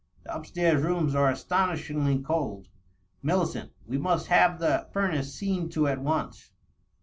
The up stairs rooms are astonishingly cold. Millicent, we must have the furnace seen to at once."